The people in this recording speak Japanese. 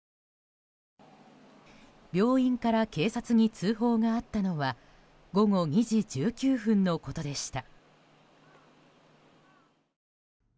病院から警察に通報があったのは午後２時１９分のことでした。